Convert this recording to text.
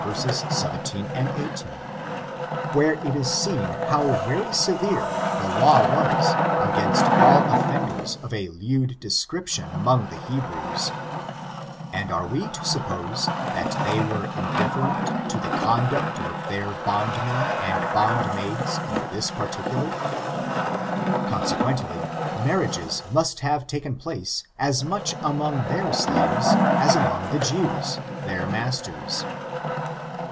See Dent zxii, 20| 21, and zxiii, 17, IS, where it is seen bov very severe the law was against all offenders of a lewd description among the Hebrews; and are we to suppose that they were indifferent to the conduct of their bondmen and bond maids in this particular? Consequently, marriages must have taken place as much among their slaves as among the Jews, their masters.